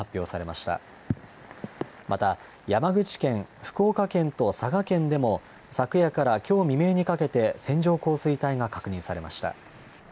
また、山口県、福岡県と佐賀県でも、昨夜からきょう未明にかけて線状降水帯が確認されました。